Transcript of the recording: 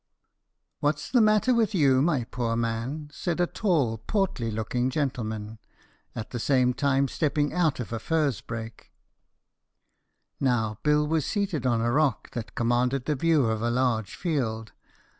"What's the matter with you, my poor man?" said a tall, portly looking gentleman, at the same time stepping out of a furze brake. Now Bill was seated on a rock that commanded the view of a large field.